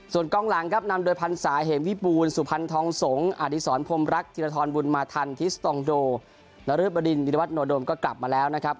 ส่วนกล้องหลังครับนำโดยพันธุ์สาเหมวิปูนสุพันธองสงศ์อาธิสรพรมรักษ์ธิริฐรรณวุณมาธรรมฮิสตองโดนรฤบรินวิริวัตนโดดมก็กลับมาแล้วนะครับ